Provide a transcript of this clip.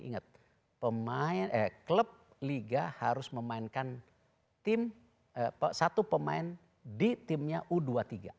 ingat klub liga harus memainkan tim satu pemain di timnya u dua puluh tiga